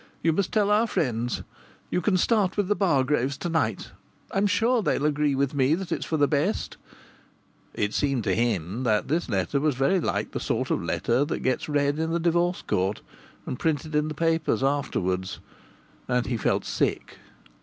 You must tell our friends. You can start with the Bargraves to night. I'm sure they'll agree with me it's for the best " It seemed to him that this letter was very like the sort of letter that gets read in the Divorce Court and printed in the papers afterwards; and he felt sick.